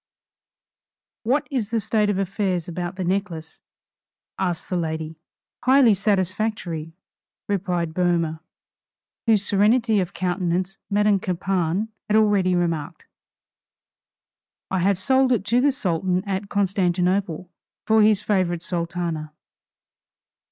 "What is the state of affairs about the necklace," asked the lady. "Highly satisfactory," replied Boehmer, whose serenity of countenance Madame Campan had already remarked. "I have sold it to the Sultan at Constantinople, for his favorite Sultana."